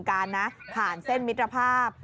การนะผ่านเส้นมิตรภาพ